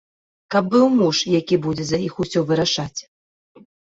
Каб быў муж, які будзе за іх усё вырашаць.